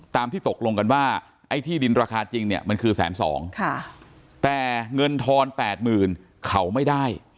ที่ตกลงกันว่าไอ้ที่ดินราคาจริงเนี่ยมันคือแสนสองแต่เงินทอน๘๐๐๐เขาไม่ได้